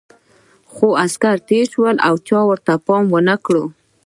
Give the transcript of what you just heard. خو عسکر تېر شول او چا پام ورته ونه کړ.